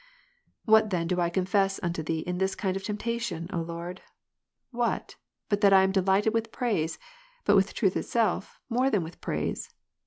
61. What then do I confess unto Thee in this kind of temptation, O Lord ? What, but that I am delighted with praise, but with truth itself, more than with praise